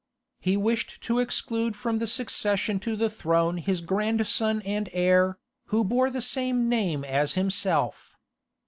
He wished to exclude from the succession to the throne his grandson and heir, who bore the same name as himself.